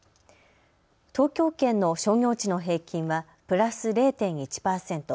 東京圏の商業地の平均はプラス０．１％。